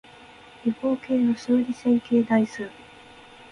理工系の数理線形代数